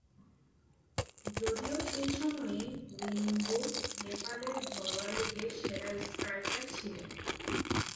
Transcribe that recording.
যদিও সেই সময়ে লিম্বু, নেপালের ঘরোয়া লীগের সেরা স্ট্রাইকার ছিলেন।